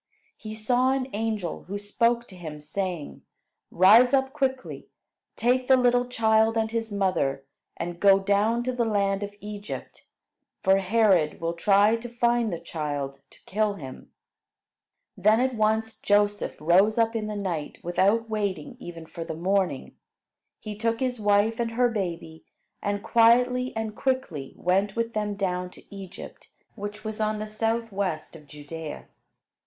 He saw an angel, who spoke to him, saying: "Rise up quickly; take the little child and his mother, and go down to the land of Egypt, for Herod will try to find the child to kill him." Then at once Joseph rose up in the night, without waiting even for the morning. He took his wife and her baby, and quietly and quickly went with them down to Egypt, which was on the southwest of Judea.